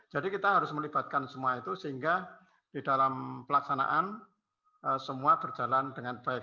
jadi kita harus melibatkan semua itu sehingga di dalam pelaksanaan semua berjalan dengan baik